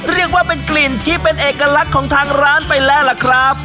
เรียกว่าเป็นกลิ่นที่เป็นเอกลักษณ์ของทางร้านไปแล้วล่ะครับ